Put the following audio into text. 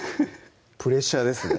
プレッシャーですね